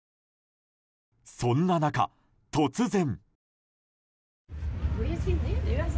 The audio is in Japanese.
そんな中、突然。